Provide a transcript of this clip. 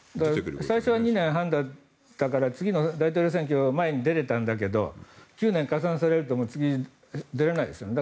最初は２年半だったから次の大統領選挙の前に出れたんだけど９年加算されると次、出れないです。